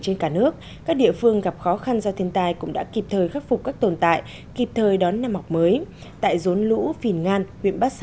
hãy đăng ký kênh để ủng hộ kênh của mình nhé